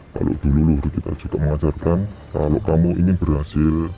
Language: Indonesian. kalau dulu kita juga mengajarkan kalau kamu ingin berhasil